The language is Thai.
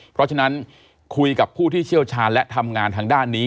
เพราะฉะนั้นคุยกับผู้ที่เชี่ยวชาญและทำงานทางด้านนี้